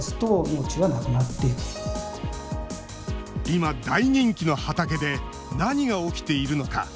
今、大人気の畑で何が起きているのか？